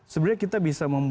sebenarnya kita bisa membuat